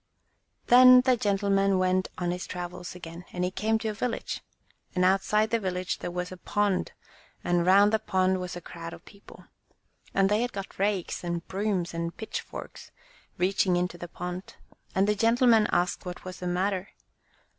Then the gentleman went on his travels again; and he came to a village, and outside the village there was a pond, and round the pond was a crowd of people. And they had got rakes, and brooms, and pitchforks, reaching into the pond; and the gentle man asked what was the matter.